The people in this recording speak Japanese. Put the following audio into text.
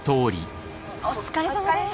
お疲れさまです。